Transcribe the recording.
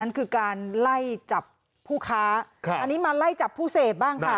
นั่นคือการไล่จับผู้ค้าอันนี้มาไล่จับผู้เสพบ้างค่ะ